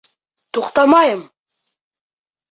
Туҡтамайым!